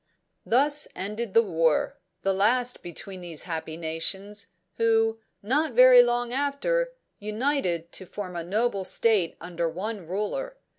"'Thus ended the war the last between these happy nations, who, not very long after, united to form a noble state under one ruler.